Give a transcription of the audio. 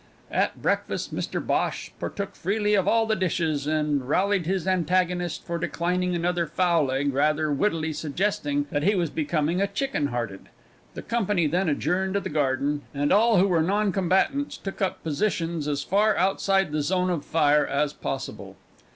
At breakfast, Mr Bhosh partook freely of all the dishes, and rallied his antagonist for declining another fowl egg, rather wittily suggesting that he was becoming a chicken hearted. The company then adjourned to the garden, and all who were non combatants took up positions as far outside the zone of fire as possible.